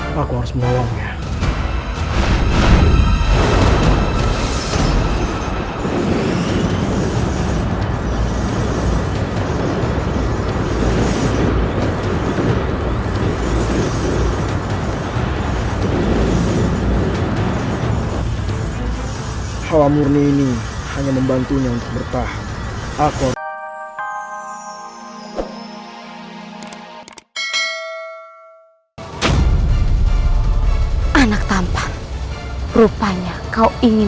halo halo murni ini hanya membantunya untuk bertahan aku anak tampan rupanya kau ingin